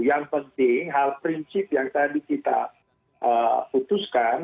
yang penting hal prinsip yang tadi kita putuskan